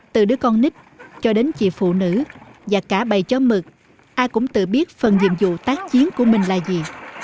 từ đứa con nít cho đến chị phụ nữ và cả bè chó mực ai cũng tự biết phần nhiệm vụ tác chiến của mình là gì